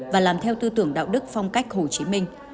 và làm theo tư tưởng đạo đức phong cách hồ chí minh